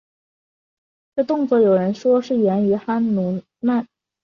这动作有人说是源于哈奴曼。